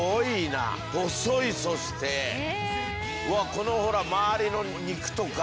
このほら周りの肉とか。